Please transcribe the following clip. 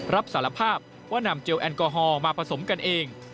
รับสารภาพว่านำเจลแอลกอฮอล์มาผสมกันเอง